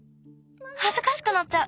はずかしくなっちゃう。